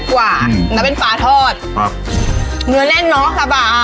กว่าเออนั่นเป็นปลาทอดครับเนื้อเล่นน้อยแฟสปะอ่ะ